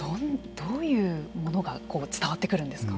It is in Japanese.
どういうものが伝わってくるんですか。